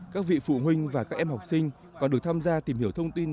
các vị phụ huynh và các em học sinh còn được tham gia tìm hiểu thông tin